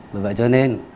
vì vậy cho nên